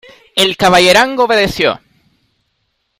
el caballerango obedeció.